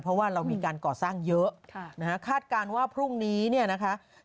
เพราะว่าเรามีการก่อสร้างเยอะคาดการณ์ว่าพรุ่งนี้เนี่ยนะคะ